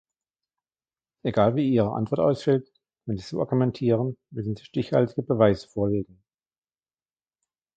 Egal, wie Ihre Antwort ausfällt, wenn Sie so argumentieren, müssen Sie stichhaltige Beweise vorlegen.